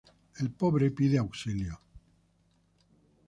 El pobre pide auxilio.